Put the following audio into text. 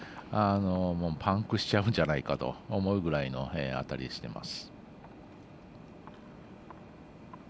パンクしちゃうんじゃないかと思うぐらいの当たりをしています。